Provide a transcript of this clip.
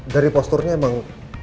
dari posturnya emang